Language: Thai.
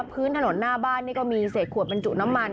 พื้นถนนหน้าบ้านนี่ก็มีเศษขวดบรรจุน้ำมัน